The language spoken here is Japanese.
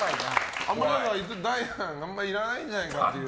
ダイアンあんまりいらないんじゃないかっていう。